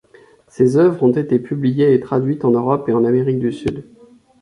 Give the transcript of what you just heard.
Ses œuvres ont été publiées et traduites en Europe et en Amérique du Sud.